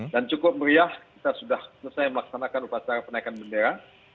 dan cukup meriah kita sudah selesai melaksanakan upacara penaikan bendera